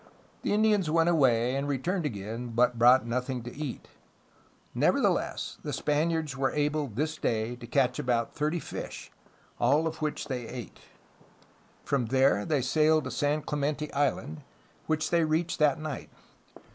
The Indians went away and returned again, but brought nothing to eat. Nevertheless, the Spaniards were able this day to catch about thirty fish, all of which they ate. From there they sailed to San Clemente Island, which they reached that night.